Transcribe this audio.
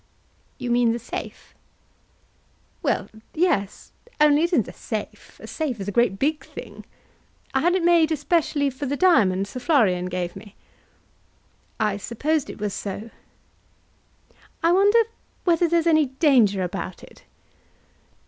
"You mean the safe." "Well, yes; only it isn't a safe. A safe is a great big thing. I had it made especially for the diamonds Sir Florian gave me." "I supposed it was so." "I wonder whether there's any danger about it?"